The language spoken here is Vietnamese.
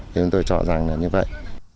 chúng tôi chọn rằng là như vậy